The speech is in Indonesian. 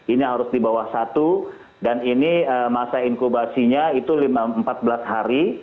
ini harus di bawah satu dan ini masa inkubasinya itu empat belas hari